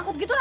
put put nih